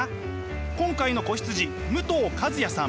今回の子羊武藤一也さん。